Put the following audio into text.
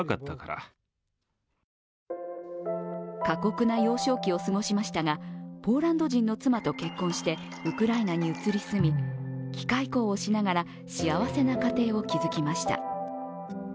過酷な幼少期を過ごしましたがポーランド人の妻と結婚してウクライナに移り住み機械工をしながら、幸せな家庭を築きました。